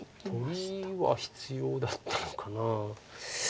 取りは必要だったのかな。